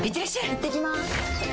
いってきます！